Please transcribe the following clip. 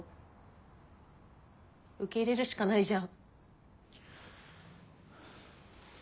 受け入れるしかないじゃん！